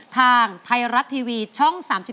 ทางไทยรัฐทีวีช่อง๓๒